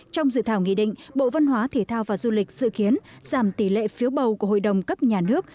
trong dự thảo nghị định bộ văn hóa thể thao và du lịch dự kiến giảm tỷ lệ phiếu bầu của hội đồng cấp nhà nước